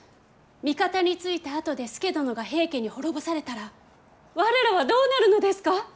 味方についたあとで佐殿が平家に滅ぼされたらわれらはどうなるのですか。